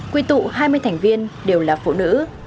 quy tụ hai mươi thành viên đều là phụ nữ